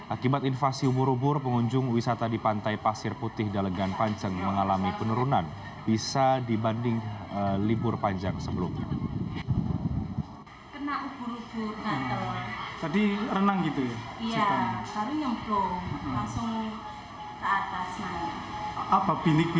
akibat invasi ubur ubur pengunjung wisata di pantai pasir putih dalegan panceng mengalami penurunan bisa dibanding libur panjang sebelumnya